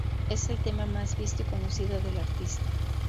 Es el tema más visto y conocido del artista.